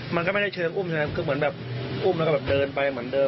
มันก็ไม่ได้เชิงอุ้มหนึ่งนะครับก็เหมือนแบบอุ้มแล้วก็เดินไปเหมือนเดิน